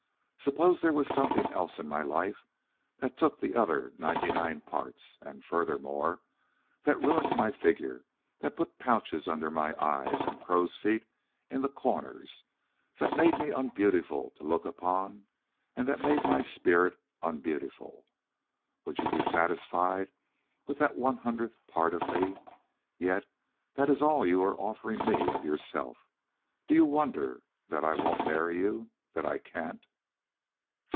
Suppose there was something else in my life that took the other ninety nine parts, and, furthermore, that ruined my figure, that put pouches under my eyes and crows feet in the corners, that made me unbeautiful to look upon and that made my spirit unbeautiful. Would you be satisfied with that one hundredth part of me? Yet that is all you are offering me of yourself. Do you wonder that I won't marry you? that I can't?"